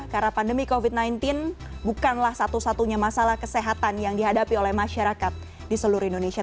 karena pandemi covid sembilan belas bukanlah satu satunya masalah kesehatan yang dihadapi oleh masyarakat di seluruh indonesia